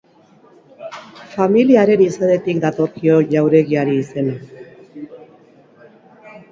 Familia haren izenetik datorkio jauregiari izena.